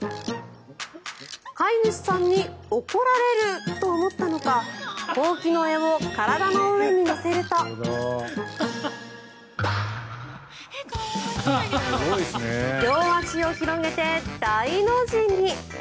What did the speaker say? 飼い主さんに怒られると思ったのかほうきの柄を体の上に乗せると両足を広げて、大の字に。